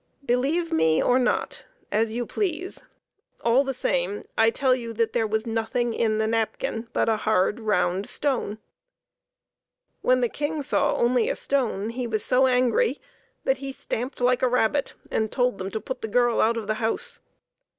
Believe me or not as you please, all the same, I tell you that there was nothing in the napkin but a hard THE APPLE OF CONTENTMENT. 113 round stone. When the King saw only a stone he was so angry that he stamped like a rabbit and told them to put the girl out of the house.